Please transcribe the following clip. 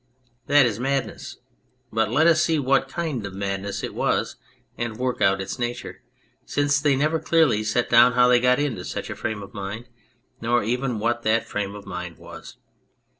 That is madness but let us see what kind of madness it was and work out its nature, since they never clearly set down how they got into such a frame of mind nor even what that frame of mind was."